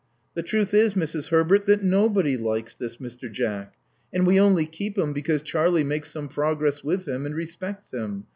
The truth is, Mrs. Herbert, that nobody likes this Mr. Jack; and we only keep him because Charlie makes some progress with him, and respects him.